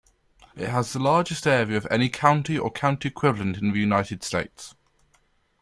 It has the largest area of any county or county-equivalent in the United States.